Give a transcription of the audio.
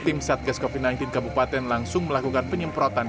tim satgas covid sembilan belas kabupaten langsung melakukan penyemprotan